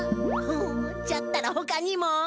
ほおじゃったらほかにも。